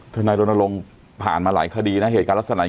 ท่านนายโดนโรงผ่านมาหลายคดีนะเหตุการณ์ลักษณะ